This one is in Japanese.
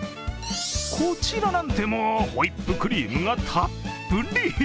こちらなんてもう、ホイップクリームがたっぷり！